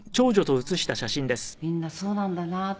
みんなそうなんだなと。